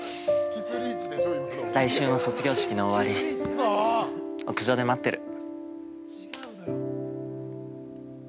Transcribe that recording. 来週の卒業式の終わり屋上で待ってる。